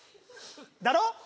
だろ？